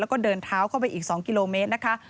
แล้วก็เดินเท้าเข้าไปอีก๒กิโลเมตรนะคะ